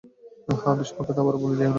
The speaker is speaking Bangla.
হ্যাঁ, বিষ মাখাতে আবার ভুলে যেয়ো না।